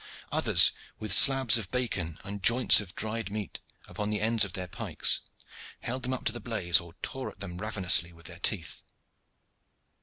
Others, with slabs of bacon and joints of dried meat upon the ends of their pikes, held them up to the blaze or tore at them ravenously with their teeth.